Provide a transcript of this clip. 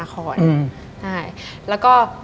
ดิงกระพวน